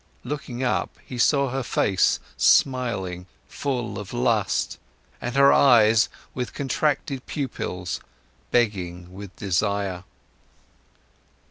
Looking up, he saw her face smiling full of lust and her eyes, with contracted pupils, begging with desire.